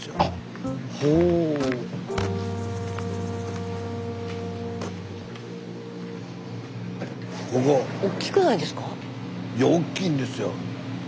スタジオいやおっきいんですよ。